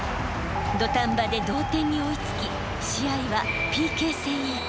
土壇場で同点に追いつき試合はＰＫ戦へ。